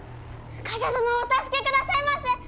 冠者殿をお助けくださいませ。